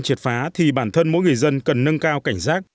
triệt phá thì bản thân mỗi người dân cần nâng cao cảnh giác